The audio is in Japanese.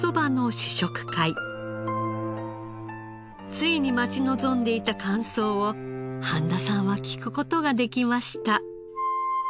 ついに待ち望んでいた感想を半田さんは聞く事ができました。